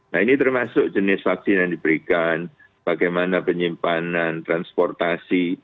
nah ini termasuk jenis vaksin yang diberikan bagaimana penyimpanan transportasi